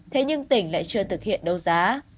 thế nhưng tỉnh lại chưa thực hiện đấu giá